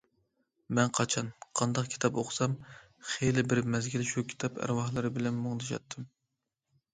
مەن قاچان، قانداق كىتاب ئوقۇسام، خېلى بىر مەزگىل شۇ كىتاب ئەرۋاھلىرى بىلەن مۇڭدىشاتتىم.